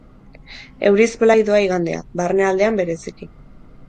Euriz blai doa igandea, barnealdean bereziki.